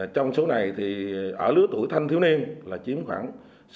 trong số này ở lứa tuổi thanh thiếu niên là chiếm khoảng sáu mươi một